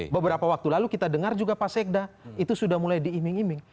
beberapa waktu lalu kita dengar juga pak sekda itu sudah mulai diiming iming